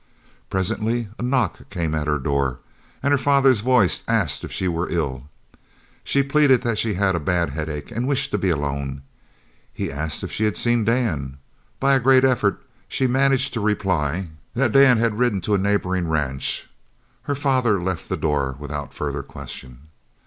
Presently a knock came at her door, and her father's voice asked if she were ill. She pleaded that she had a bad headache and wished to be alone. He asked if she had seen Dan. By a great effort she managed to reply that Dan had ridden to a neighbouring ranch. Her father left the door without further question.